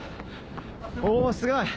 おすごい！